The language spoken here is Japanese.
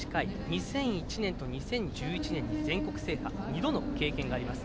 ２００１年と２０１１年に全国制覇２度の経験があります。